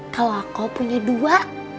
kalau aku punya dua